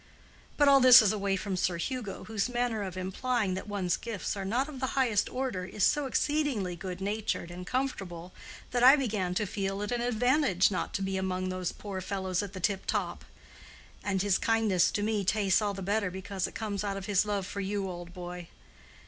But all this is away from Sir Hugo, whose manner of implying that one's gifts are not of the highest order is so exceedingly good natured and comfortable that I begin to feel it an advantage not to be among those poor fellows at the tip top. And his kindness to me tastes all the better because it comes out of his love for you, old boy.